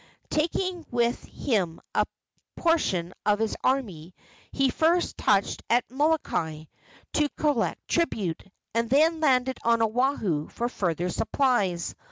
Taking with him a portion of his army, he first touched at Molokai to collect tribute, and then landed on Oahu for further supplies.